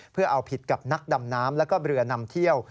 เพื่อเอาผิดกับนักดำน้ำแล้วก็เรือนำเที่ยว